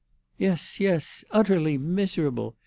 "Yes, yes! Utterly miserable!